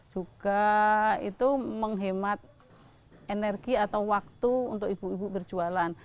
juga itu menghemat energi atau waktu untuk ibu ibu berjualan